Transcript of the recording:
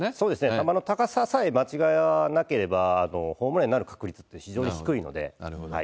球の高ささえ間違わなければ、ホームランになる確率って非常に低なるほど。